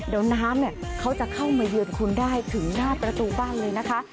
เดี๋ยวน้ำเขาจะเข้ามาเยือนคุณได้ถึงหน้าประตูบ้านเลยนะคะ